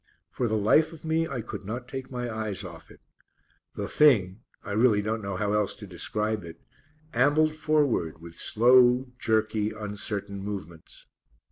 For the life of me I could not take my eyes off it. The thing I really don't know how else to describe it ambled forward, with slow, jerky, uncertain movements.